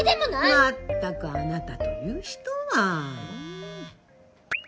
まったくあなたという人は。